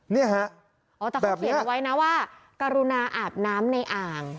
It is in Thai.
นี่ครับแต่เขาเขียนไว้นะว่ากรุณาอาบน้ำในอ่าง